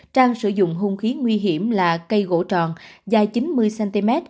trang sử dụng hung khí nguy hiểm là cây gỗ tròn dài chín mươi cm